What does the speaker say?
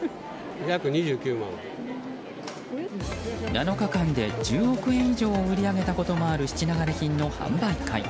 ７日間で１０億円以上を売り上げたこともある質流れ品の販売会。